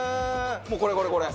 もうこれこれこれ。